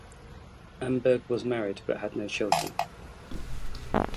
Amberg was married but had no children.